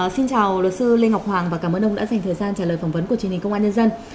xin chào luật sư lê ngọc hoàng và cảm ơn ông đã dành thời gian trả lời phỏng vấn của truyền hình công an nhân dân